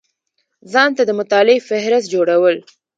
ځان ته د مطالعې فهرست جوړول